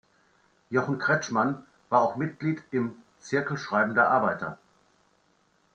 Jochen Kretschmann war auch Mitglied im „Zirkel schreibender Arbeiter“.